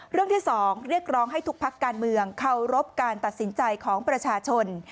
เรื่องที่๒เรียกร้องให้ทุกพักการเมืองเคารพการตัดสินใจของประชาชน